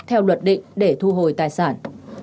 theo luật định để thu hồi tài sản